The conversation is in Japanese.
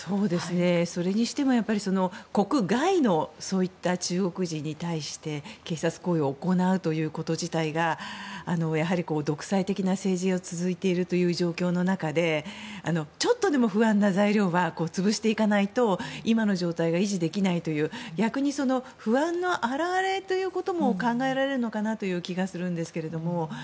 それにしてもやっぱり国外のそういった中国人に対して警察行為を行うということ自体がやはり独裁的な政治が続いている状況の中でちょっとでも不安な材料は潰していかないと今の状態が維持できないという逆に不安の表れということも考えられるのかなという気がするんですけれども。